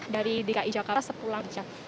dari dki jakarta sepulang jam